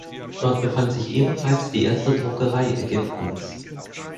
Dort befand sich ebenfalls die erste Druckerei Ägyptens.